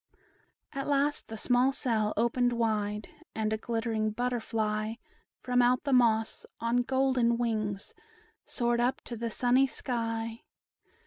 At last the small cell opened wide, And a glittering butterfly, From out the moss, on golden wings, Soared up to the sunny sky.